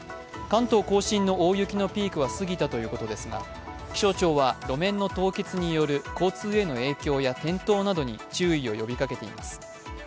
関東甲信の大雪のピークは過ぎたということですが、気象庁は路面の凍結による交通への影響や転倒などに注意を呼びかけています。